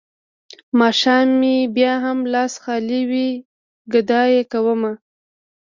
ماښام مې بيا هم لاس خالي وي ګدايي کومه.